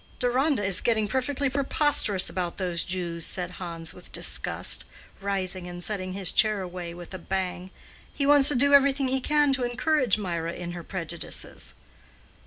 "Deronda is getting perfectly preposterous about those Jews," said Hans with disgust, rising and setting his chair away with a bang. "He wants to do everything he can to encourage Mirah in her prejudices."